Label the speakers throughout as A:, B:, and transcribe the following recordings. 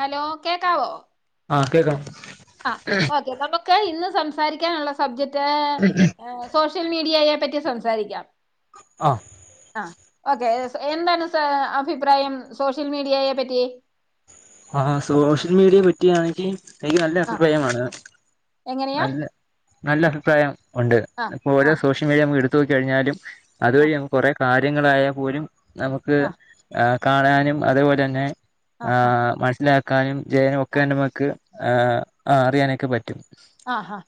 A: Hello കേക്കാവോ
B: ആ കേക്കാം
A: ആ ഓക്കെ നമക്ക് ഇന്ന് സംസാരിക്കാനുള്ള സബ്ജക്ട് ഏഹ് സോഷ്യൽ മീഡിയയെ പറ്റി സംസാരിക്കാം
B: ആഹ്
A: ആ ഓക്കെ എന്താണ് സാർ അഭിപ്രായം സോഷ്യൽ മീഡിയയെ പറ്റി
B: ആ സോഷ്യൽ മീഡിയെ പറ്റിയാണെങ്കി എനിക്ക് നല്ല
A: ആ
B: അഭിഫ്രായമാണ്
A: എങ്ങനെയാ
B: നല്ല നല്ല അഭിപ്രായം ഉണ്ട്
A: ആ
B: ഇപ്പോ
A: ആ
B: ഓരോ സോഷ്യൽ മീഡിയ നമ്മുക്ക് എടുത്ത് നോക്കി കഴിഞ്ഞാലും
A: ആ ആ
B: അതുവഴി നമക്ക് കൊറെ കാര്യങ്ങളായാ പോലും നമക്ക്
A: ആ
B: കാണാനും അതുപോലെന്നെ ആ മനസ്സിലാ ക്കാനും ജയനും ഒക്കെ നമുക്ക് ആ അറിയാനൊക്കെ പറ്റും
A: ആഹാ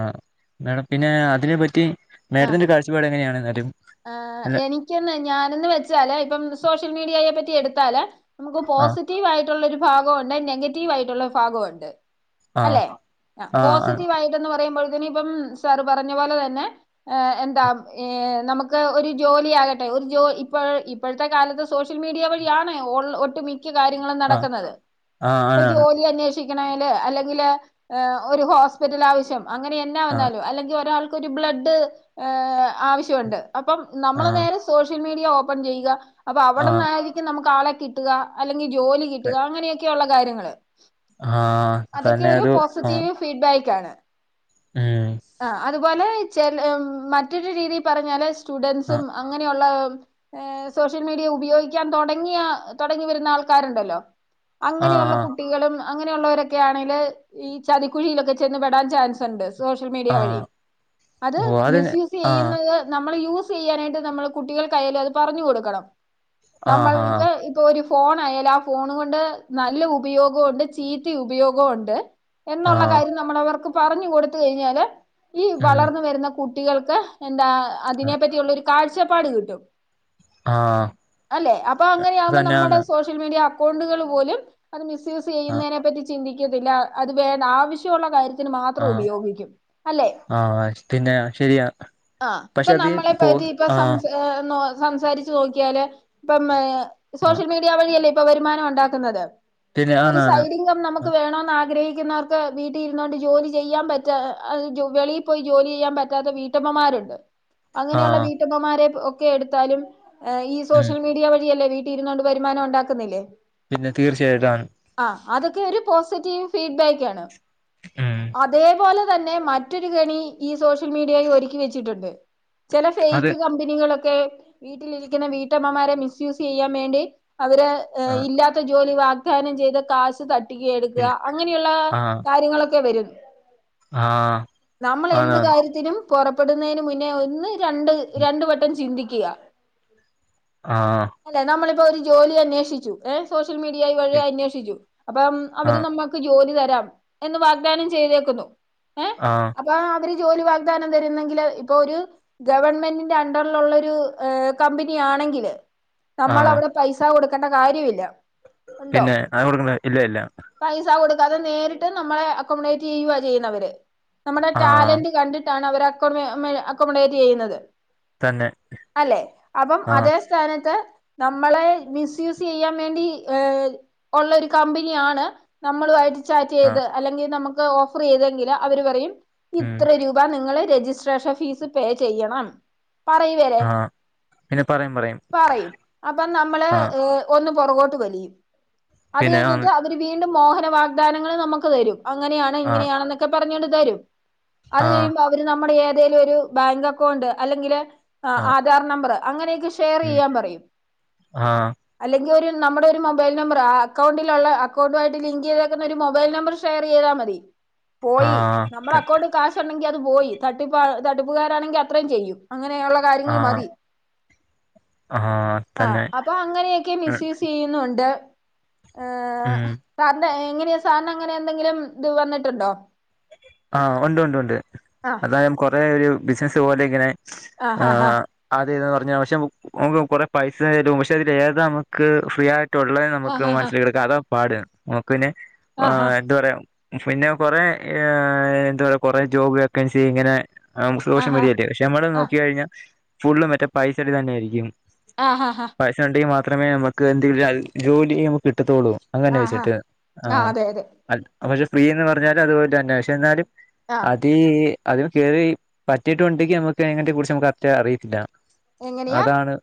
B: ആ മേഡം പിന്നെ അതിനെപ്പറ്റി
A: ആ
B: മേഡത്തിന്റെ ഒരു കാഴ്ചപ്പാട് എങ്ങനെയാണ് എന്നാലും
A: ആ
B: അല്ല
A: എനിക്കന്ന് ഞാനന്ന് വെച്ചാല് ഇപ്പം സോഷ്യൽ മീഡിയയെ പറ്റി എടുത്താല് നമുക്ക്
B: ആഹ്
A: പോസിറ്റീവ് ആയിട്ടുള്ള ഒരു ഭാഗൊണ്ട് നെഗറ്റീവ് ആയിട്ടുള്ള ഭാഗൊണ്ട്
B: ആഹ്
A: അല്ലെ ആ
B: ആഹ് ആണ്
A: പോസിറ്റീവ് ആയി ന്ന് പറയുമ്പൾക്ക്‌ന് ഇപ്പം സാറ് പറഞ്ഞ പോലെ തന്നെ ഏ എന്താ ഏ നമുക്ക് ക്കെ ഒരു ജോലിയാകട്ടെ ഒരു ജോ ഇപ്പൾ ഇപ്പഴത്തെ കാലത്ത് സോഷ്യൽ മീഡിയ വഴിയാണ് ഓൾ ഒട്ട് മിക് ക്ക കാര്യങ്ങളും
B: ആഹ്
A: നടക്കുന്നത്
B: ആഹ്
A: പ്പ
B: ആണാണ്
A: ജോലി അന്നേഷ് ക്കണേല് അല്ലെങ്കിൽ ഒരു ഹോസ്പിറ്റൽ ആവശ്യം അങ്ങനെ എന്നാ
B: ആഹ്
A: വന്നാലും അല്ലെങ്കിൽ ഒരാൾക്ക് ഒരു ബ്ലഡ് ആവശ്യമുണ്ട് അപ്പം നമ്മൾ
B: ആഹ്
A: നേരെ സോഷ്യൽ മീഡിയ ഓപ്പൺ ചെയ്യുക അപ്പൊ
B: ആഹ്
A: അവിടന്നായിരിക്കും നമുക്ക് ആളെ കിട്ടുക അല്ലെങ്കി ജോലി കിട്ടുക അങ്ങനെയൊക്കെയള്ള കാര്യങ്ങള് അതൊക്കെ ഒരു പോസിറ്റീവ് ഫീഡ് ബേക്കാണ് അ അത് പോലേയ് ചെ മറ്റൊരു രീതിയി പറഞ്ഞാല് സ്റ്റുഡന്റ്സും അങ്ങനെയുള്ള ഏ സോഷ്യൽ മീഡിയ ഉപയോഗിക്കാൻ തുടങ്ങിയ തുടങ്ങി വരുന്ന ആൾക്കാരുണ്ടല്ലോ അങ്ങനെയുള്ള കുപ് കുട്ടികളും അങ്ങനെയുള്ളവരൊക്കെ ആണെല് ഈ ചതിക്കുഴിയിലൊക്കെ ചെന്ന് പെടാൻ ചാൻസുണ്ട് സോഷ്യൽ മീഡിയ വഴി അത് മി സ്യൂസ്ചെയ്യുന്നത് നമ്മള് യൂസ് ചെയ്യാനായിട്ട് നമ്മ കുട്ടികൾ കയ്യിൽ അത് പറഞ്ഞു കൊടുക്കണം നമ്മൾ ഇത് ഇപ്പൊ ഒരു ഫോണ ആയാലും ആഹ് ഫോണ് കൊണ്ട് നല്ല ഉപയോഗം ഉണ്ട് ചീത്തി ഉപയോഗവും ഉണ്ട് എന്നുള്ള കാര്യം നമ്മള് അവർക്ക് പറഞ്ഞു കൊടുത്ത കഴിഞ്ഞാല് ഈ വളർന്ന വരുന്ന കുട്ടികൾക്ക് എന്താ അതിനെ പറ്റിയുള്ള ഒരു കാഴ്ചപ്പാട് കിട്ടും അല്ലെ അപ്പ അങ്ങനെയാമ്പോ നമ്മടെ സോഷ്യ സോഷ്യൽ മീഡിയ അക്കൗണ്ടുകൾ പോലും അത് മിസ്സ്യൂസ് ചെയ്യുന്നതിനെ പറ്റി ചിന്തിക്കത്തില്ല അത് വേ ആവശ്യമുള്ള കാര്യത്തി ന് മാത്രം ഉപയോഗിക്കും അല്ലെ
B: ആ പിന്നെ ശരിയാ
A: ആഹ്
B: പക്ഷെ
A: ഇപ്പൊ
B: അത്
A: നമ്മളെ പ്പ
B: പോ ആ
A: റ്റിസംസാരിച്ചച്ച് നോക്കിയാല് ഇപ്പം
B: ആ
A: സോഷ്യൽ മീഡി യ വഴിയല്ലേ ഇപ്പം വരുമാനം ഉണ്ടാക്കുന്നത്
B: പിന്നെ
A: ഒരു സൈ
B: ആണാണ്
A: ഡിംഗം നമു ക്ക് വേണഗ്രഹിക്കുന്നവർക്ക് വീട്ടിൽരുന്നുക കൊണ്ട് ജോലി ചെയ്യാൻ പറ്റാ വെളിയിൽ പോയി ജോലി ചെയ്യാൻ പറ്റാത്ത വീ ട്ടമ്മമാരുണ്ട്
B: ആ
A: അങ്ങനെയുള്ള വീട്ടമ്മമാരെ ഒക്കെ എടുത്താലും ഈ
B: ഉം
A: സോഷ്യൽ മീഡിയ വഴിയല്ലേ വീ ട്ടിലിരുന്നണ്ട് വരുമാനം ഉണ്ടാക്കുന്നില്ലേ
B: പിന്നെ തീർച്ചയായിട്ടാണ്
A: ആഹ് അതൊക്കെ ഒരു പോസിറ്റീവ് ഫീഡ്ബാക്ക് ആണ്
B: ഉം
A: അതേപോലെ തന്നെ മ മറ്റൊരു കെണി ഈ സോഷ്യൽ മീഡിയായി ഒരുക്കി വെച്ചിട്ടുണ്ട് ചില
B: അത്
A: ഫേക്ക് കമ്പനികളൊക്കെ വീട്ടിലിരിക്കുന്ന വീട്ടമ്മമാരെ മിസ് യൂസ്സ് ചെയ്യാൻ വേണ്ടി അവരെ
B: ആ
A: ഇല്ലാത്ത ജോലി വാഗ് ദാനം ചെയ്ത് കാശ് ത പട്ടിക എടുക്കുക
B: പിന്നെ
A: അങ്ങനെയുള്ള
B: ആ
A: കാര്യങ്ങളൊക്കെ വരും
B: ആ
A: നമ്മൾ എന്ത്
B: ആണാണ്
A: കാര്യത്തിനും പൊറപ്പെടുന്നതിന് മുന്നേ ഒന്ന് രണ്ട് രണ്ട് വട്ടം ചിന്തിക്കുക
B: ആഹ്
A: അല്ല നമ്മളിപ്പോ ഒരു ജോലി അന്വേഷിച്ചു ഏ സോഷ്യൽ മീഡിയ വഴി അന്വേഷിച്ചു അപ്പം
B: ആ
A: അവര് നമ്മ ക്ക് ജോലി തരാം എന്ന് വാ ഗ് ദാനം ചെയ്തേക്കുന്നു ഏ
B: ആഹ്
A: അപ്പൊ അവര് ജോലി വാഗ് ദാനം തരുന്നെങ്കില് ഇപ്പൊ ഒരു ഗവൺമെന്റിന്റെ അണ്ടറിലുള്ളരു കമ്പനിയ ആണെങ്കിൽ
B: ആ
A: നമ്മൾവിടെ പൈസ കൊടുക്കേണ്ട കാര്യമില്ല ഉണ്ടോ
B: പിന്നെ അങ്ങനെ കൊടുക്കേ ഇല്ല ഇല്ല
A: പൈസ കൊടുക്കുക്കാതെ നേരിട്ട് നമ്മളെ അക്കോമഡേറ്റ് ചെയ്യുക ചെയ്യുന്നവര് നമ്മുടെ
B: ആ
A: ടാലന്റ് കണ്ടിട്ടാണ് അവർ അക്കോമ അക്കോമഡേറ്റ് ചെയ്യുന്നത്
B: തന്നെ
A: അല്ലേ അപ്പം
B: ആ
A: അതേ സ്ഥാനത്ത് നമ്മളെ മിസ്യൂസെയ്യാൻ വേണ്ടി ഏ ഒള്ളൊരു കമ്പെനിയാണ് നമ്മളുവായിട്ട്
B: ആ
A: ചാറ്റെയ്ത് അല്ലെങ്കി നമ്ക്ക് ഓഫെറെയ്തെങ്കിൽ അവർ പറയും
B: ഉം
A: ഇത്ര രൂ വാ നിങ്ങൾ രെജിസ്ട്രേഷൻ ഫീസ് പേ ചെയ്യണം പറയും ല്ലെ
B: ആഹ് പിന്നെ പറയും
A: പറയും അപ്പൊ നമ്മൾ
B: ആഹ്
A: ഒന്ന് പൊറകോട്ട് വലിയും അത്
B: പിന്നെ ആന്ന്
A: കഴ്ഞ്ഞിട്ട് അവര് വീണ്ടും മോഹന വാഗ്ദാനങ്ങൾ നമുക്ക് തരും അങ്ങനെയാണ്
B: ആഹ്
A: ഇങ്ങനെയണെന്നൊക്കെ പറഞ്ഞോണ്ട് തരും അത്
B: ആഹ്
A: കഴിയുമ്പോ അവര് നമ്മുടെ ഏതെലൊരു ബാങ്കക്കൗണ്ട് അല്ലെങ്കിൽ
B: ആഹ്
A: ആധാർ നമ്പർ അങ്ങനെയൊക്കെ ഇഷ്
B: ഉം
A: ഷെയറെയ്യാൻ പറയും
B: ആഹ്
A: അല്ലെങ്കി ഒരു നമ്മുടൊരു മൊബൈൽ നമ്പർ ആ അക്കൗണ്ടിലുള്ള അക്കൗണ്ടായിട്ട് ലിങ്കെയ്തേക്കുന്ന ഒരു മൊബൈൽ നമ്പർ ഷെയറെയ്താ മതി പോയി
B: ആഹ് ത
A: നമ്മളക്കൗണ്ട് കാശ് ശ്ട്ടെണ്ടെങ്ക്യത് പോയി തട്ടിപ്പ് തട്ടിപ്പുകാരാണെങ്കി അത്രെയും ചെയ്യും അങ്ങനെയുള്ള കാര്യങ്ങൾ
B: ആഹ്
A: മതി
B: ആഹ്
A: ആഹ്
B: തന്നെ
A: അപ്പൊ അങ്ങനെയൊക്കെ
B: ഉം
A: മിസ്യൂസെയ്യുന്നുണ്ട് ഏഹ്
B: ഉം
A: സാറ്ന് എങ്ങനെയാ സാർനങ്ങനെയെന്തെങ്കിലും ത് വന്നിട്ടുണ്ടോ
B: ആഹ് ഉണ്ടുണ്ടുണ്ട്
A: ആ
B: അതായം കൊറേ ഒരു ബിസിനസ്സ് പോലെ ഇങ്ങനെ
A: ആ ഹാ ഹാ
B: ആഹ് അതെ ന്ന് പർഞ്ഞാ പക്ഷെ ഓൻക്ക് കൊറെ പൈസ തരും. പക്ഷെ അതിൽ ഏതാ നമ്ക്ക് ഫ്രീയായ് ട്ടുള്ളേ
A: ആ
B: നമുക്ക്
A: ഹാ ഹാ
B: മന്സ്സ്ലേക്ക്ട്ക്കാം അതാ പാട്. നമുക്ക് പിന്നെ
A: ആ ഹാ
B: ഏഹ് എന്ത് പറയാ പിന്നെ കൊറെ ഏഹ് എന്താ പറ്യാ കൊറെ ജോബ് വേക്കൻസീ ഇങ്ങനെ
A: ആ
B: [unintelligible]
A: ഹാ
B: വഴിയല്ലേ ഞമ്മൾ
A: ആ
B: നോക്കി കഴിഞ്ഞാ ഫുള്ള് മറ്റേ പൈസേടെ ഇതന്നെയായിരിക്ക്യും.
A: ആഹാഹാ
B: പൈസ ഉണ്ടെങ്കി മാത്രെമേ നമക്ക് എന്തെയ്യൂലാ അത് ജോലി നമുക്ക് കിട്ടത്തൊള്ളൂ. അങ്ങനെ
A: ആ ഹാ
B: വെച്ചിട്ട്
A: ആ
B: ആഹ്
A: അതെ അതെ
B: അത് പക്ഷെ ഫ്രീ ന്ന് പറ്ഞ്ഞാലും അത്പോലെന്നെ പക്ഷെ എന്നാലും
A: ആ
B: അതീ അതിന് കേറി പറ്റിയിട്ടുണ്ടെങ്കി നമുക്കയ്നപ്പറ്റി കുറ്ച്ച് നമക്ക് കറ്ക്ടാ അറിയത്തില്ല.
A: എങ്ങനെയാ
B: അതാണ്,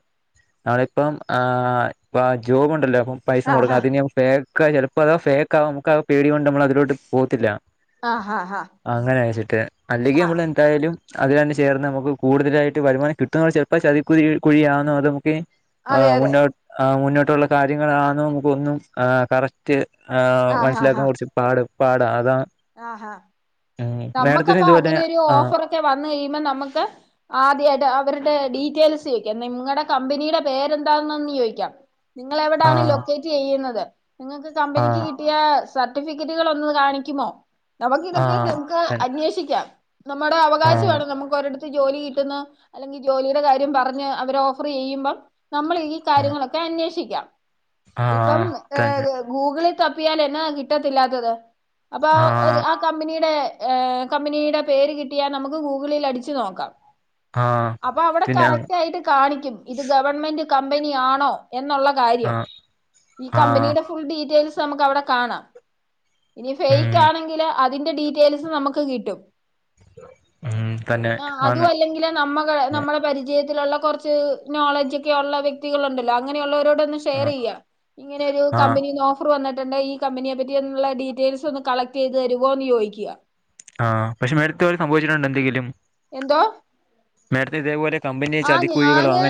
B: നമ്മളിപ്പം ആഹ് ഇപ്പാ ജോബുണ്ടല്ലോ അപ്പം
A: ആ ഹാ
B: പൈസമൊട്ക്കാ അതിന് ഫേക്കാ ചെൽപതാ ഫേക്കാവാം, നമുക്കാ പേടികൊണ്ടമ്മളതിലോട്ട് പോവത്തില്ലാ.
A: ആഹാഹാ
B: അങ്ങനയച്ചിട്ട് അല്ലെങ്ക്യമ്മളെ ന്തായാലും അതിലാണ്ട് ചേർന്ന് നമുക്ക് കൂടുതലായിട്ട് വരുമാനം കിട്ടുന്ന ചെൽപ്പ ചതിക്കുഴി കുഴിയാന്നോ അത് നമുക്കീ
A: അതെ
B: ആഹ്
A: അതെ
B: മുന്നോ ആഹ് മുന്നോട്ടുള്ള കാര്യങ്ങളാണൊ നമുക്കൊന്നും ഏഹ് കറക് റ്റ് ഏഹ്
A: ആ ഹാ ഹാ
B: മനസിലാക്കാൻ കൊറ്ച്ച് പാട്, പാട് അതാ
A: ആഹാ.
B: ഉം മേഡത്തിന്
A: നമ്മക്കപ്പൊ
B: ഇതുപോലെ
A: അങ്ങനെയൊരു
B: ആ
A: ഓഫറൊക്കെ വന്ന് കഴിയുമ്പം നമ്മക്ക് ആദ്യായ്ട്ട് അവരുടെ ഡീറ്റൈൽസ് ചോയ്ക്കാം നിങ്ങടെ കമ്പനിയുടെ പേരെന്താന്നൊന്ന് ചോയ്ക്കാം
B: ആ
A: നിങ്ങളെവിടാണ് ലൊക്കേറ്റെയ്യുന്നത് നിങ്ങൾക്ക്
B: ആ
A: കമ്പനിക്ക് കി ട്ടിയാ സർട്ടിഫിക്കറ്റുകളൊന്ന് കാണിക്കുമോ
B: ആ
A: നമുക്കിതൊക്കെ നമുക്ക്
B: തന്നെ
A: അന്വേഷിക്കാം നമ്മടെ
B: ആ
A: അവകാശമാണ് നമുക്കൊരട് ത്ത് ജോലി കിട്ടുന്ന് അല്ലെങ്കി ജോലിയുടെ കാര്യം പറഞ്ഞ് അവര് ഓഫർ ചെയ്യുമ്പം നമ്മളീ
B: ആ
A: കാര്യങ്ങളൊക്കെ അന്വേഷിക്കാം
B: ആ
A: ഇപ്പം
B: തന്നെ
A: ഏഹ് ഗൂഗിളിൽ തപ്പിയാലെന്നതാ കിട്ടെത്തില്ലാത്തത് അപ്പം ആ കമ്പനിയുടെ ഏഹ് കമ്പനിയുടെ പേര് കിട്ടിയാ നമുക്ക് ഗൂഗിളിൽ അടിച്ചു നോക്കാം
B: ആ
A: അപ്പവിടെ
B: പിന്നെ
A: കറക്റ്റായിട്ട് കാണിക്കും ഇത് ഗവൺമെന്റ് കമ്പനി ആണോ എന്നുള്ള
B: ആ
A: കാര്യം ഈ
B: ആ
A: കമ്പനിയുടെ ഫുൾ ഡീറ്റൈൽസ് നമുക്കവിടെ കാണാം ഇനി ഫെയ്
B: ഉം
A: ക്കാണെങ്കിലോ അതിൻ്റെ ഡീറ്റൈൽസും നമുക്ക് കിട്ടും
B: ഉം തന്നെ
A: ആഹ്
B: ആന്ന്
A: അതുവല്ലെങ്കിൽ നമ്മകളെ നമ്മളെ പരിചയത്തിലുള്ള കൊറ്ച്ച് നോളജൊക്കെയുള്ള വ്യക്തികളുണ്ടല്ലോ അങ്ങനെയുള്ളവരോടൊന്ന്
B: ആ
A: ഷെയെറെയ്യാ ഇങ്ങനെ ഒരു
B: ആ
A: കമ്പനീന്ന് ഓഫർ വന്നിട്ടുണ്ട് ഈ കമ്പനിയെ പറ്റിയുള്ള ഡീറ്റൈൽസൊന്ന് കളെക്റ്റെയ്ത് തരുവോന്ന് ചോദിക്കാ
B: ആഹ് പക്ഷെ മേടുത്തൊരു സംഭവിച്ചിട്ടുണ്ടൊന്തെങ്കിലും
A: എന്തോ
B: മേഡത്തി ഇതേ പോലെ
A: ആഹ് ഞാന്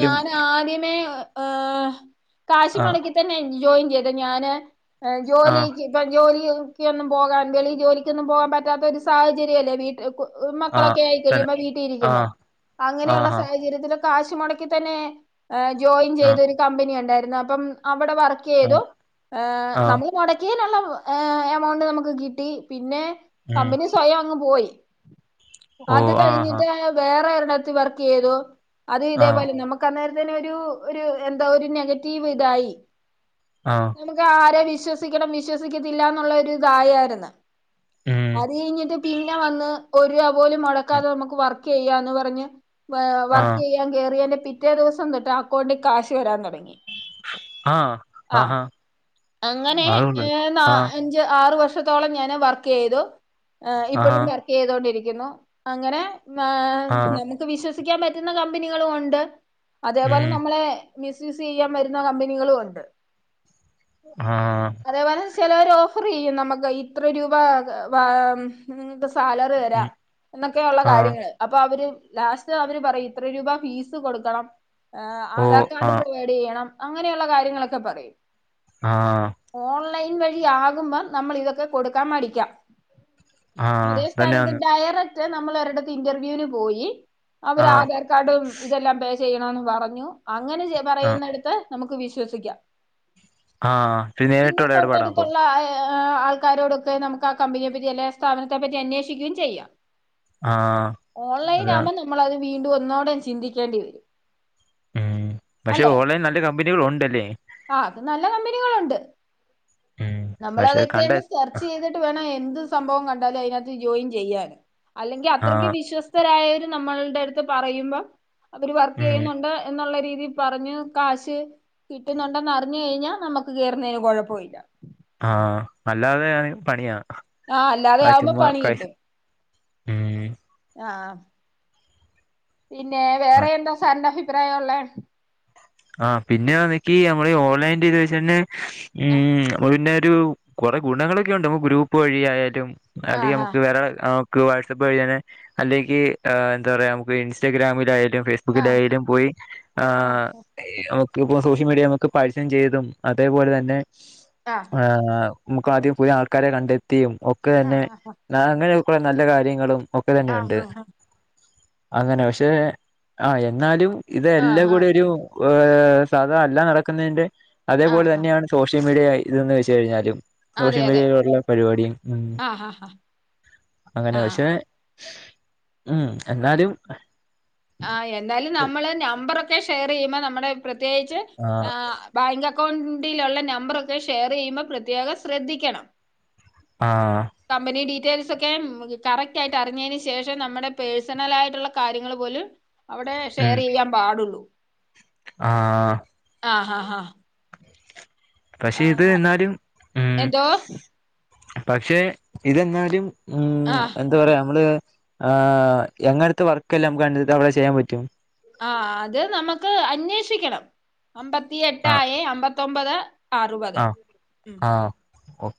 A: ഞാൻ ആദ്യമേ ഏഹ് കാശ്
B: ആഹ്
A: മുടക്കി തന്നെ ജോയിൻ ചെയ്ത ഞാന്
B: ആഹ്
A: ജോലിക്ക് ഇപ്പം ജോലിയ്ക്ക്യൊന്നും പോകാൻ വെളിയിൽ ജോലിക്കൊന്നും പോകാൻ പറ്റാത്ത ഒരു സാഹചര്യവല്ലേ വീട്ടിൽ കു
B: ആഹ്
A: മക്കളൊക്കെ ആയി
B: തന്നെ
A: കഴിയുമ്പം വീട്ടിലിരിക്കുമ്പം
B: ആഹ്
A: അങ്ങനെയുള്ള
B: ആഹാ
A: സാഹചര്യത്തിലും കാശ് മൊടക്കി തന്നെ ഏഹ് ജോയിൻ
B: ആഹ്
A: ചെയ്തൊരു കമ്പനി ഉണ്ടായിരുന്നു. അപ്പം അവിടെ വർ ക്കെയ്തു.
B: ആഹ് ആഹ്
A: ഏഹ്നമ്മൾ മുടക്കിയേനുള്ള എമൗണ്ട് നമുക്ക് കിട്ടി. പിന്നേ
B: ഉം
A: കമ്പനി സ്വയം അങ്ങ് പോയി
B: ഓ
A: അത്
B: ആഹാ
A: കഴിഞ്ഞിട്ട് വേറെ എരുടത്ത് വർക്ക് ക്ക് ചെയ്തു അത്
B: ആഹ്
A: ഇതേപോലെ നമ്മക്ക് അന്നേരത്തി ഒരു എന്താ ഒരു നെഗറ്റീവ് ഇതായി
B: ആഹ്
A: നമുക്ക് ആരെ വിശ്വസിക്കണം വിശ്വസിക്കത്തില്ലന്നുള്ള ഒരു ഇതായായിരുന്നു
B: ഉം
A: അത് കഴിഞ്ഞിട്ട് പിന്നെ വന്ന് ഒര് രൂപ പോലും മുടക്കാതെ നമുക്ക് വർക്ക് ചെയ്യാ എന്ന് പറഞ്ഞ് വർക്ക്
B: ആഹ്
A: ചെയ്യാൻ കേറിയേന്റെ പിറ്റേന്ന് പിറ്റേ ദിവസം തെട്ട് അക്കൗണ്ടിൽ കാശ് വരാൻ തുടങ്ങി
B: ആഹ്
A: ആഹ്
B: ആഹാ
A: അങ്ങനെ
B: അത് കൊള്ളാം
A: ഏഹ് നാല്
B: ആഹ്
A: അഞ്ചു ആറ് വർഷത്തോളം ഞാൻ വർക്ക് ചെയ്തു ഏ
B: ആഹാ
A: ഇപ്പോഴും ചെയ്തൊണ്ടിരിക്കുന്നു അങ്ങനെ ഏഹ്
B: ആഹ്
A: നമുക്ക് വിശ്വസിക്കാൻ പറ്റുന്ന കമ്പനികളും ഉണ്ട് അതേപോലെ
B: ഉം
A: നമ്മളെ മിസ്യൂസ് ചെയ്യാൻ വരുന്ന കമ്പനികളും ഉണ്ട്
B: ആഹ്
A: അതേപോലെ ചിലർ ഓഫർ ചെയ്യും നമുക്ക് ഇത്ര രൂപ നിങ്ങൾക് സാലറി ലറി തരാ
B: ഉം
A: എന്നൊക്കെയുള്ള
B: ആഹ്
A: കാര്യങ്ങള് അപ്പൊ അവര് ലാസ്റ്റ് അവര് പറയും ഇത്ര രൂപ ഫീസ് കൊടുക്കണം
B: ഓ
A: ആധാർ കാർഡ്
B: ആഹ്
A: പ്രവോയ്ഡ് ചെയ്യണം അങ്ങനെയുള്ള കാര്യങ്ങളൊക്കെ പറയും
B: ആഹ്
A: ഓൺലൈൻ വഴി ആകുമ്പോ നമ്മള് ഇതൊക്കെ കൊടുക്കാൻ മടിക്കാം
B: ആഹ്
A: അതേ സ്ഥാനത്
B: തന്നെയാന്ന്
A: ഡയറക് മറ്റേ നമ്മൾ ഒരിടത്തു ഇന്റർവ്യൂനു പോയി അവര്
B: ആഹ്
A: ആധാർ കാർഡും ഇതെല്ലാം പേ ചെയ്ത് ചെയ്യണം എന്ന് പറഞ്ഞു അങ്ങനെ. ചെ
B: ആഹ്
A: പറയുന്നടുത്ത് നമുക്ക് വിശ്വസിക്കാം
B: ആഹ് ഇത് നേരിട്ട് ഉള്ള എടപാടാകുബോ
A: ആഹ് ആൾക്കാരോടൊക്കെ നമ്മുക്ക് ആ കമ്പിയെ പറ്റി അല്ലെ സ്ഥാപനത്തെ പറ്റി അന്വേഷിക്കുകയും ചെയ്യാം
B: ആഹ്
A: ഓൺലൈൻ
B: അതാണ്
A: ആകുമ്പം നമ്മള് അത് വീണ്ടും ഒന്നോടെ ചിന്തിക്കേണ്ടി വരും
B: ഉം പക്ഷെ
A: അല്ലെ
B: ഓൺലൈൻ നല്ല കമ്പനികൾ ഉണ്ടല്ലേ
A: ആ അത് നല്ല കമ്പനികളുണ്ട്
B: ഉം
A: നമ്മള് അത്
B: പക്ഷെ
A: ഒക്കെ
B: കണ്ട
A: സെർച്ച്‌ ചെയ്തിട്ട് വേണം എന്ത് സംഭവം കണ്ടാലും അതിനകത്ത് ജോയിൻ ചെയ്യാൻ അല്ലെങ്കിൽ
B: ആഹ്
A: അത്രയ്ക്ക് വിശ്വാസി രായർ നമ്മളുടെ അടുത്ത് പറയുമ്പോം അവര് വർക്ക്
B: ഉം
A: ചെയ്യുന്നുണ്ട് എന്നുള്ള രീതിൽ പറഞ്ഞു കാശ് കിട്ടുന്നുണ്ടെന്ന് അറിഞ്ഞു കഴിഞ്ഞാൽ നമുക്ക് കേറുന്നതിന് കുഴപ്പമില്ല
B: ആഹ് അല്ലാതെ ആണേൽ പണിയാ
A: ആഹ് അല്ലാതെ
B: ആ
A: ആവുമ്പോ
B: ചുമ്മാ
A: പണി
B: കൈസ്
A: കിട്ടും
B: ഉം
A: ആഹ് പിന്നെ വേറെ എന്താ സാറിന്റെ അഭിപ്രായം ഉള്ളെ
B: ആഹ് പിന്നെ ആണെങ്കിൽ നമ്മള് ഓൺലൈൻത് വെച്ചന്നെ
A: ആഹ്
B: ഉം പിന്നെ ഒരു കുറെ ഗുണങ്ങളൊക്കെ ഉണ്ട് ഗ്രൂപ്പ് വഴി ആയാലും അല്ലെങ്കിൽ
A: ആഹ്
B: നമുക്ക് വേറെ വാട്സ്ആപ്പ് വഴി അല്ലെങ്കിൽ എന്താ പറയാ നമുക്ക് ഇൻസ്റ്റഗ്രാമിൽ ആയാലും ഫെയ്സ്ബു നമുക്ക്
A: ആഹ്
B: ധൈര്യം പോയി ആഹ് നമുക്ക് ഇപ്പം സോഷ്യൽ മീഡിയ നമുക്ക് പരസ്യം ചെയ്തും അതേപോലെ തന്നെ
A: ആഹ്
B: ആഹ് നമുക്ക് ആദ്യം പുതിയ ആൾക്കാരെ കണ്ടെത്തിയും ഒക്കെ തന്നെ അങ്ങനെയൊക്കുള്ള നല്ല കാര്യങ്ങളും ഒക്കെ
A: ആഹ്
B: തന്നെുണ്ട് അങ്ങനെ പക്ഷെ ആ എന്നാലും ഇത്
A: ആഹ്
B: എല്ലാം കൂടെ
A: ആഹ്
B: ഒരു സാധ എല്ല നടക്കുന്നതിന്റെ അതേപോലെ
A: ആഹ്
B: തന്നെയാണ് സോഷ്യൽ മീഡിയ ഇതന്ന് വെച്ച് കഴിഞ്ഞാലും
A: അതെ
B: സോഷ്യൽ
A: അതെ
B: മീഡിയയിൽ ഉള്ള പരിപാടികൾ ഉം
A: ആഹ് ആഹ്
B: അങ്ങനെ
A: ആഹ്
B: പക്ഷെ ഉം എന്നാലും
A: ആ എന്തായാലും നമ്മള് നമ്പറൊക്കെ ഷെയർ ചെയ്യുമ്പോ നമ്മുടെ പ്രത്യേകിച്ച് ആ
B: ആഹ്
A: ബാങ്ക് അക്കൗണ്ടിലുള്ള നമ്പറൊക്കെ ഷെയർ ചെയ്യുമ്പോൾ പ്രത്യേകം ശ്രദ്ധിക്കണം
B: ആ
A: കമ്പനി ഡീറ്റെയിൽസ് ഒക്കെ കറക്റ്റ് ആയിട്ട് അറിഞ്ഞതിന് ശേഷം നമ്മുടെ പേഴ്സണല ആയിട്ടുള്ള കാര്യങ്ങൾ പോലും അവിടെ ഷെയർ ചെയ്യാൻ പാടുള്ളൂ
B: ആഹ
A: ആഹാ ഹാ
B: പക്ഷെ ഇത് എന്നാലും ഉം
A: എന്തോ
B: പക്ഷെ ഇതെന്നാലും ഉം
A: ആഹ
B: എന്താ പറയാ നമ്മള്് എങ്ങനത്തെ വർക്ക്ല്ലാം നമുക്ക് കണ്ടിട്ട് അവിടെ ചെയ്യാൻ പറ്റും
A: ആ അത് നമുക്ക് അന്വേഷിക്കണം അമ്പത്തി
B: ആഹ്
A: എട്ടായി അമ്പത്തൊമ്പത് അറുപത്
B: ആഹ്
A: ഉം
B: ആഹ്